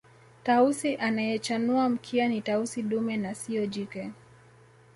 Tausi anayechanua mkia ni Tausi dume na siyo jike